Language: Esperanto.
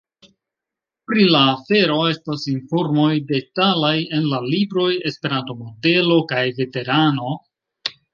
Pri la afero estas informoj detalaj en la libroj ‘’Esperanto Modelo’’ kaj ‘’Veterano?’’.